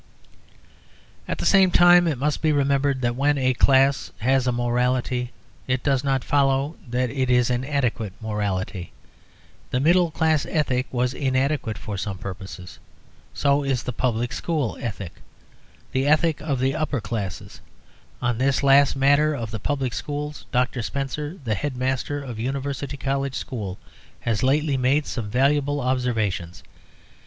At the same time, it must be remembered that when a class has a morality it does not follow that it is an adequate morality. The middle class ethic was inadequate for some purposes; so is the public school ethic, the ethic of the upper classes. On this last matter of the public schools Dr. Spenser, the Head Master of University College School, has lately made some valuable observations.